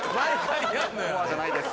フォアじゃないです。